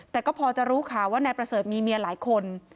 แต่ก็พอจะรู้ข่าวว่านายประเสริฐมีเมียหลายคน